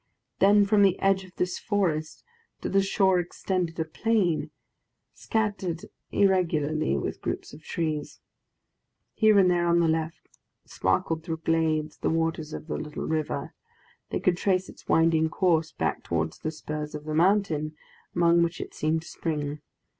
Then, from the edge of this forest to the shore extended a plain, scattered irregularly with groups of trees. Here and there on the left sparkled through glades the waters of the little river; they could trace its winding course back towards the spurs of the mountain, among which it seemed to spring.